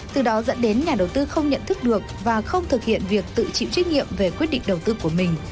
từ đó dẫn đến nhà đầu tư không nhận thức được và không thực hiện việc tự chịu trách nhiệm về quyết định đầu tư của mình